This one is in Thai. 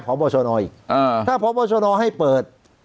พบชนอีกถ้าพบชนให้เปิด